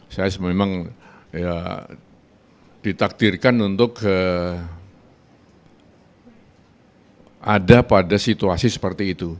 saya memang ditakdirkan untuk ada pada situasi seperti itu